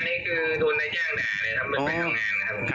นี่คือโดนในจ้างด่าเลยครับ